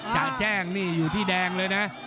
จะแจ้งนี่อยู่ที่แดงเลยนะ